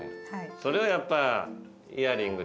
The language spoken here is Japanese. それをやっぱイヤリング。